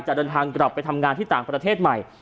จะเดินทางกลับไปทำงานที่ต่างประเทศใหม่